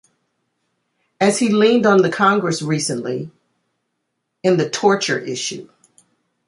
As he leaned on the Congress recently-- in the-- torture issue.